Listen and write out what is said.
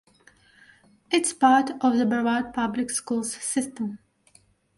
It is part of the Brevard Public Schools System.